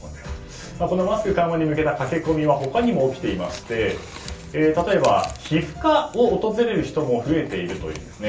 マスク緩和に向けた駆け込みは他にも起きていまして例えば、皮膚科を訪れる人も増えているというんですね。